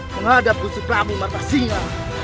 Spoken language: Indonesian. menghadap kusup ramu mata singa